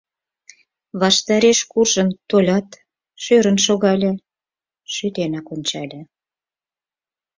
Ваштареш куржын толят, шӧрын шогале, шӱтенак ончале.